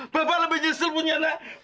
bapak lebih nyesel punya anak